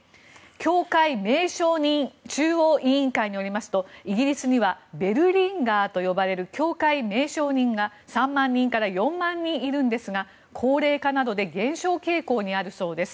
教会鳴鐘人中央委員会によりますとイギリスにはベルリンガーと呼ばれる教会鳴鐘人が３万人から４万人いるんですが高齢化などで減少傾向にあるそうです。